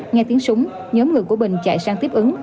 nghe tiếng súng nhóm người của bình chạy sang tiếp ứng